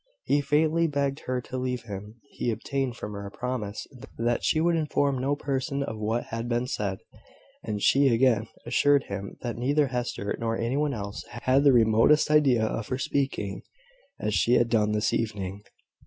He faintly begged her to leave him. He obtained from her a promise that she would inform no person of what had been said; and she again assured him that neither Hester, nor any one else, had the remotest idea of her speaking as she had done this evening.